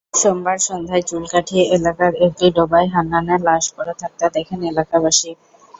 সোমবার সন্ধ্যায় চুলকাঠি এলাকার একটি ডোবায় হান্নানের লাশ পড়ে থাকতে দেখেন এলাকাবাসী।